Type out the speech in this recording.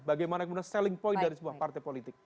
bagaimana kemudian selling point dari sebuah partai politik